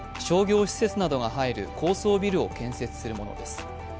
商業施設などが入る高層ビルを建設するものです。